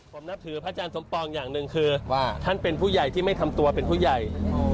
ผมนับถือพระอาจารย์สมปองอย่างหนึ่งคือว่าท่านเป็นผู้ใหญ่ที่ไม่ทำตัวเป็นผู้ใหญ่